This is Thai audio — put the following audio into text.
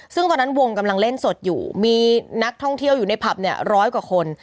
ซึ่งตอนนั้นวงกำลังเล่นสดอยู่มีนักท่องเที่ยวอยู่ในผับเนี่ยร้อยกว่าคน